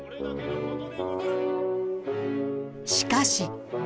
しかし。